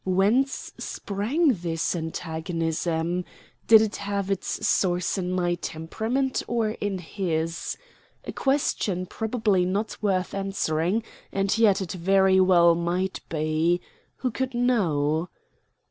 Whence sprang this antagonism? Did it have its source in my temperament, or in his? A question possibly not worth answering and yet it very well might be. Who could know?